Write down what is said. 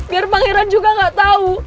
biar pangeran juga gak tahu